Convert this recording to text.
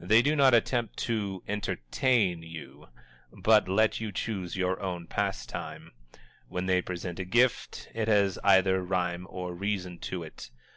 They do not attempt to "entertain" you, but let you choose your own pastime. When they present a gift, it has either rhyme or reason to it.